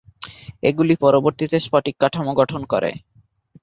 এগুলি পরবর্তীতে স্ফটিক কাঠামো গঠন করে।